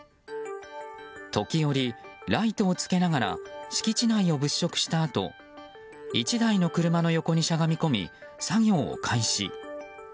時折ライトをつけながら敷地内を物色したあと１台の車の前にしゃがみ込み作業を開始。